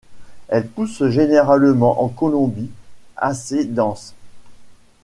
Elle pousse généralement en colonie assez denses.